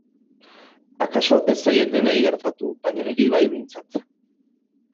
Akaso ez zaie denei gertatu baina niri bai behintzat.